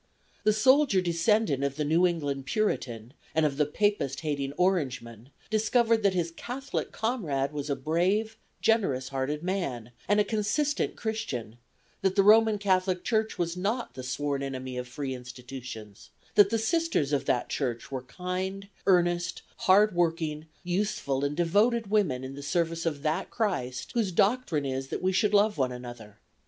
The soldier descendant of the New England Puritan, and of the Papist hating Orangeman, discovered that his Catholic comrade was a brave, generous hearted man, and a consistent Christian; that the Roman Catholic Church was not the sworn enemy of free institutions; that the Sisters of that Church were kind, earnest, hard working, useful and devoted women in the service of that Christ whose doctrine is that we should love one another.